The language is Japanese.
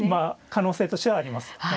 可能性としてはありますね。